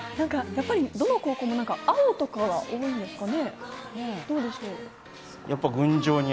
どの高校も青とかが多いんですかね。